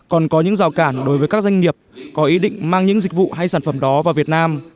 còn có những rào cản đối với các doanh nghiệp có ý định mang những dịch vụ hay sản phẩm đó vào việt nam